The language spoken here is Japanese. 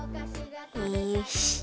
よし。